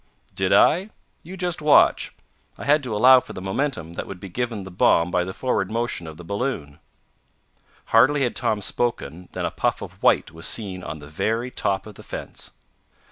"Did I? You just watch. I had to allow for the momentum that would be given the bomb by the forward motion of the balloon." Hardly had Tom spoken than a puff of white was seen on the very top of the fence.